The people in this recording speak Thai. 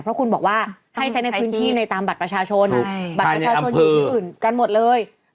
เพราะคุณบอกว่าให้ใช้ในพื้นที่ในตามบัตรประชาชนบัตรประชาชนอยู่ที่อื่นกันหมดเลย